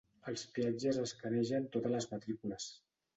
Els peatges escanegen totes les matrícules.